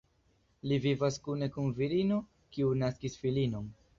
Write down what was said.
Li vivas kune kun virino, kiu naskis filinon.